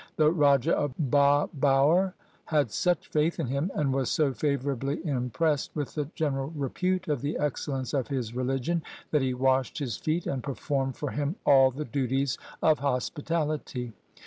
The Raja of Bhabaur had such faith in him, and was so favourably impressed with the general repute of the excellence of his religion, that he washed his feet, and performed for him all the duties of hospi tality.